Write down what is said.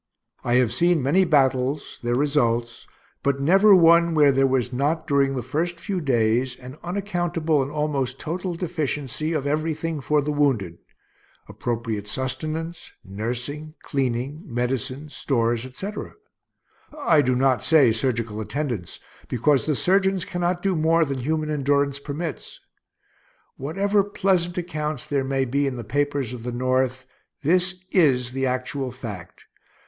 I have seen many battles, their results, but never one where there was not, during the first few days, an unaccountable and almost total deficiency of everything for the wounded appropriate sustenance, nursing, cleaning, medicines, stores, etc. (I do not say surgical attendance, because the surgeons cannot do more than human endurance permits.) Whatever pleasant accounts there may be in the papers of the North, this is the actual fact.